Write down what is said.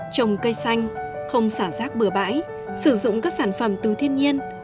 trồng cây xanh không xả rác bừa bãi sử dụng các sản phẩm từ thiên nhiên